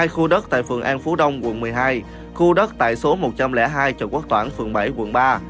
một mươi hai khu đất tại phường an phú đông quận một mươi hai khu đất tại số một trăm linh hai trọng quốc toản phường bảy quận ba